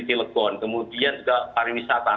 telepon kemudian juga pariwisata